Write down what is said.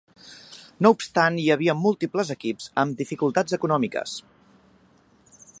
No obstant, hi havia múltiples equips amb dificultats econòmiques.